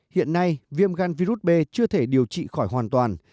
hiện nay viêm gan virus b chưa thể điều trị khỏi hoàn toàn